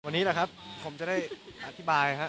วันนี้แหละครับผมจะได้อธิบายครับ